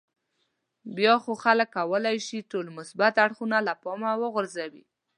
بیا خو خلک کولای شي ټول مثبت اړخونه له پامه وغورځوي.